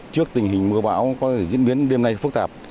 trước tình hình mưa bão có diễn biến đêm nay phức tạp